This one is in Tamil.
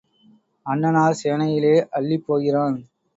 அண்ணனார் சேனையிலே அள்ளிப் போகிறான்.